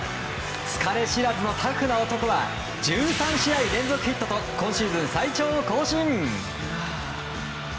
疲れ知らずのタフな男は１３試合連続ヒットと今シーズン最長を更新。